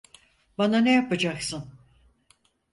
Bana ne yapacaksın?